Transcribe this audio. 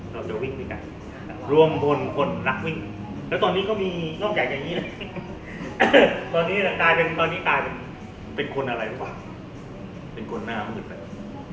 เราจะวิ่งไปกันรวมพลคนนักวิ่งแล้วตอนนี้ก็มีนอกแก่แบบนี้เลยตอนนี้ตายเป็นคนอะไรหรือเปล่าเป็นคนหน้ามืดแบบนี้